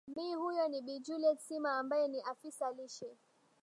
m huyo ni bi juiet sima ambaye ni afisa lishe